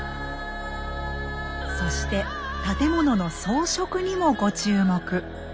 そして建物の装飾にもご注目。